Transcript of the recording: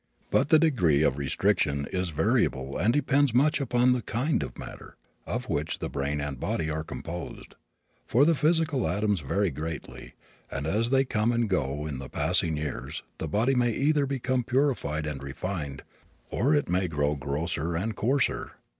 But the degree of restriction is variable and depends much upon the kind of matter of which the brain and body are composed; for the physical atoms vary greatly, and as they come and go in the passing years the body may either become purified and refined or it may grow grosser and coarser.